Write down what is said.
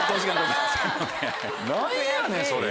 何やねんそれ。